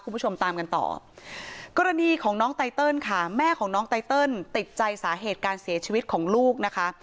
คุณผู้ชมตามกันต่อกรณีของน้องไตเติลค่ะแม่ของน้องไตเติลติดใจสาเหตุการเสียชีวิตของลูกนะคะ